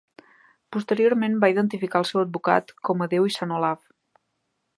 Posteriorment va identificar el seu advocat com a Déu i San Olaf.